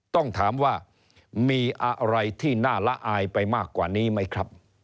ต้องถามว่ามีอะไรที่น่าละอายไปมากกว่านี้ไหมครับ